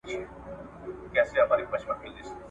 بس هغه ده چي مي مور کیسه کوله !.